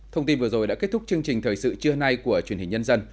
thông tin vừa rồi đã kết thúc chương trình thời sự trưa nay của truyền hình nhân dân